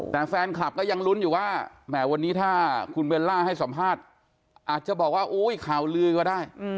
แต่แฟนคลับก็ยังลุ้นอยู่ว่าแหมวันนี้ถ้าคุณเบลล่าให้สัมภาษณ์อาจจะบอกว่าโอ้ยข่าวลือก็ได้